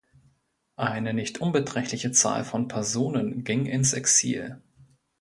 Eine nicht unbeträchtliche Zahl von Personen ging ins Exil.